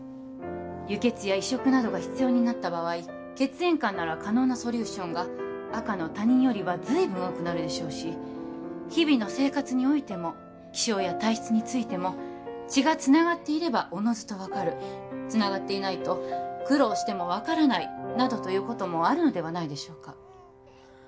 輸血や移植などが必要になった場合血縁間なら可能なソリューションが赤の他人よりは随分多くなるでしょうし日々の生活においても気性や体質についても血がつながっていればおのずと分かるつながっていないと苦労しても分からないなどということもあるのではないでしょうか